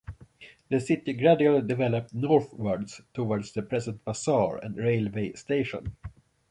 The city gradually developed northwards towards the present Bazaar and Railway Station.